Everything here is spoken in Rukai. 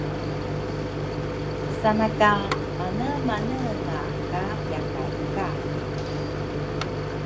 sana ka manemanenga ka yakay kay.